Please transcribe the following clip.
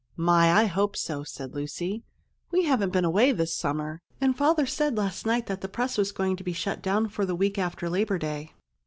"My, I hope so!" said Lucy. "We haven't been away this summer. And Father said last night that the press was going to shut down for the week after Labor Day."